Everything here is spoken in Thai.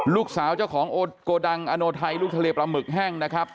ลูกสาวเจ้าของโกดังอโนไทยลูกทะเลปลาหมึกแห้งนะครับ